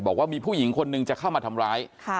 บอกว่ามีผู้หญิงคนนึงจะเข้ามาทำร้าย